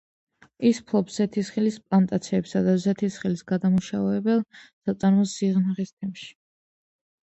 ის ფლობს ზეთისხილის პლანტაციებს და ზეთისხილის გადამამუშავებელ საწარმოს სიღნაღის თემში.